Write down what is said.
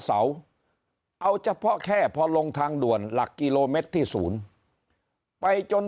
เสาเอาเฉพาะแค่พอลงทางด่วนหลักกิโลเมตรที่ศูนย์ไปจน